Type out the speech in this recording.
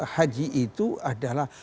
haji itu adalah